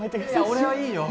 俺はいいよ